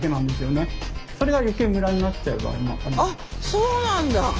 そうなんだ。